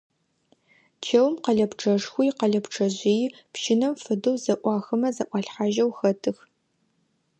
Чэум къэлэпчъэшхуи, къэлэпчъэжъыйи пщынэм фэдэу зэӀуахымэ зэӀуалъхьажьэу хэтых.